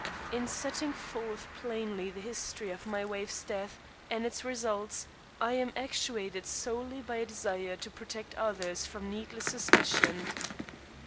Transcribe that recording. In setting forth plainly the history of my wife's death and its results, I am actuated solely by a desire to protect others from needless suspicion.